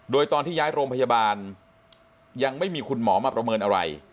โดยตอนที่ย้ายโรงพยาบาลยังไม่มีคุณหมอมาประเมินอะไร